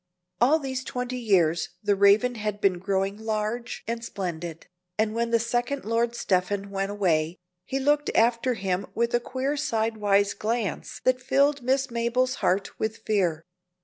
All these twenty years the Raven had been growing large and splendid, and when the second Lord Stephen went away, he looked after him with a queer sidewise glance that filled Miss Mabel's heart with fear.